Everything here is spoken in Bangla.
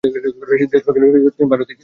দেশভাগের পর তিনি ভারতেই ছিলেন।